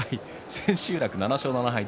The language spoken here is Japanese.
千秋楽を７勝７敗。